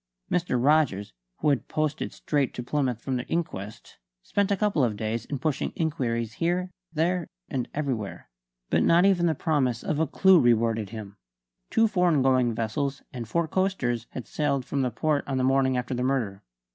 Mr. Rogers, who had posted straight to Plymouth from the inquest, spent a couple of days in pushing inquiries here, there and everywhere. But not even the promise of a clue rewarded him. Two foreign going vessels and four coasters had sailed from the port on the morning after the murder.